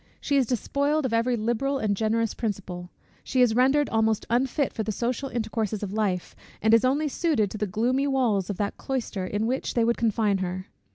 She is despoiled of every liberal and generous principle: she is rendered almost unfit for the social intercourses of life, and is only suited to the gloomy walls of that cloister, in which they would confine her.